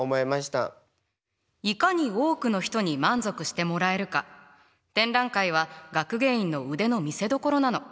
いかに多くの人に満足してもらえるか展覧会は学芸員の腕の見せどころなの。